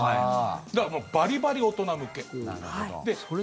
だから、バリバリ大人向け。